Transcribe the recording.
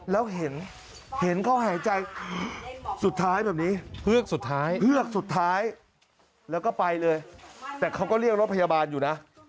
แล้วเห็นเขาหายใจสุดท้ายแบบนี้เฮือกสุดท้ายแล้วก็ไปเลยแต่เขาก็เรียกรถพยาบาลอยู่นะ